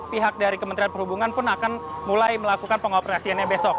pihak dari kementerian perhubungan pun akan mulai melakukan pengoperasiannya besok